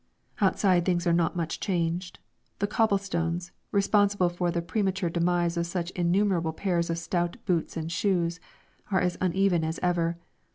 Outside things are not much changed. The cobblestones, responsible for the premature demise of such innumerable pairs of stout boots and shoes, are as uneven as ever.